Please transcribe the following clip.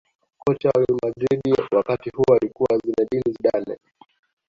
kocha wa real madrid wakati huo alikuwa zinedine zidane